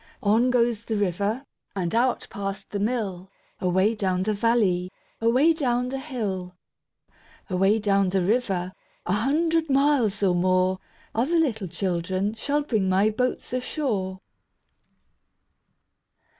On goes the river And out past the mill, Away down the valley, Away down the hill. Away down the river, A hundred miles or more, Other little children Shall bring my boats ashore.